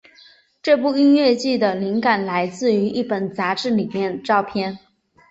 这部音乐剧的灵感来自于一本杂志里的照片。